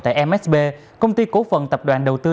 tại msb công ty cổ phần tập đoàn đầu tư